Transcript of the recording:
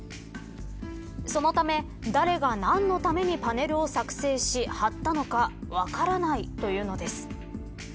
そのため、誰が何のためにパネルを作成し貼ったのか分からないというのです。